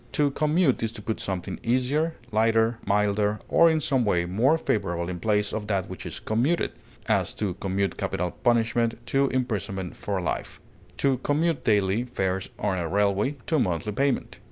To commute is to put something easier, lighter, milder, or in some way more favorable in place of that which is commuted; as, to commute capital punishment to imprisonment for life; to commute daily fares on a railway to a monthly payment.